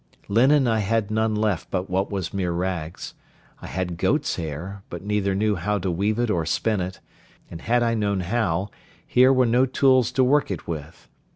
Linen I had none left but what was mere rags; I had goat's hair, but neither knew how to weave it or spin it; and had I known how, here were no tools to work it with.